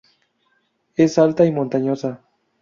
Es alta y montañosa.